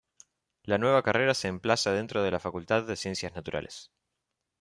La nueva carrera se emplaza dentro de la facultad de Ciencias Naturales.